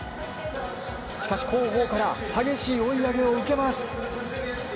しかし、後方から激しい追い上げを受けます。